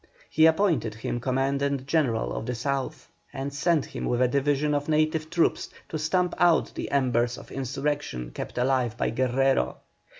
He appointed him Commandant General of the South, and sent him with a division of native troops to stamp out the embers of insurrection kept alive by Guerrero.